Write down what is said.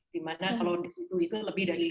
di mana kalau di situ itu lebih dari